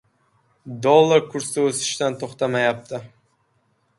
Dollar kursi o‘sishdan to‘xtamayapti